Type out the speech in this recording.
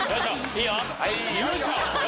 いいよ！